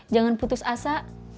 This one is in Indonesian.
jangan putus asa